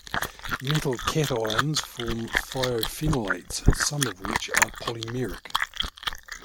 Metal cations form thiophenolates, some of which are polymeric.